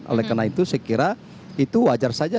oleh karena itu saya kira itu wajar saja